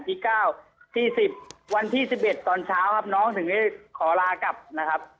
ที่เก้าที่สิบวันที่สิบเอ็ดตอนเช้าครับน้องถึงได้ขอลากลับนะครับ